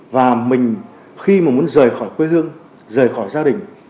và mình khi mà muốn rời khỏi quê hương rời khỏi gia đình